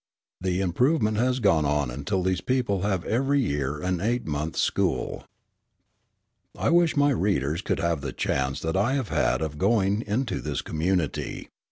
The improvement has gone on until these people have every year an eight months' school. I wish my readers could have the chance that I have had of going into this community.